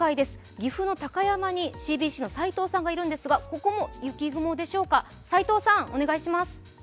岐阜の高山にＣＢＣの斉藤さんがいるんですがここも雪雲でしょうか。